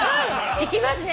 いきますね。